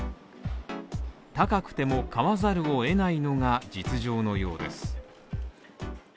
高くても買わざるを得ないのが実情のようです。